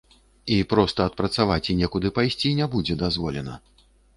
І проста адпрацаваць і некуды пайсці не будзе дазволена.